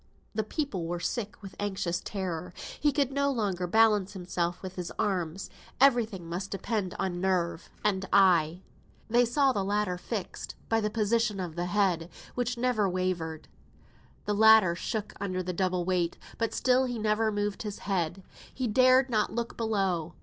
The people were sick with anxious terror. He could no longer balance himself with his arms; every thing must depend on nerve and eye. They saw the latter was fixed, by the position of the head, which never wavered; the ladder shook under the double weight; but still he never moved his head he dared not look below.